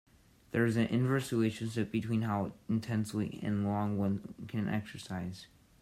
There is an inverse relationship between how intensely and how long one can exercise.